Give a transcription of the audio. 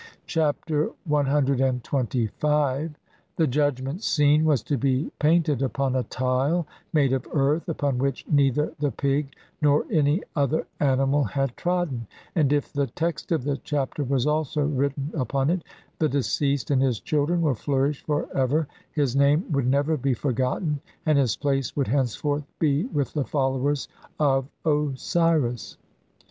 Chap. CXXV. The Judgment Scene was to be paint ed upon a tile made of earth upon which neither the pig nor any other animal had trodden ; and if the text of the Chapter was also written upon it, the de ceased and his children would flourish for ever, his name would never be forgotten, and his place would henceforth be with the followers of Osiris.